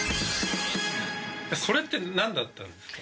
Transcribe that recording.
それってなんだったんですか？